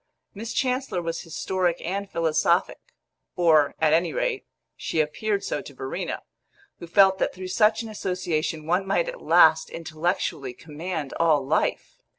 Miss Chancellor was historic and philosophic; or, at any rate, she appeared so to Verena, who felt that through such an association one might at last intellectually command all life.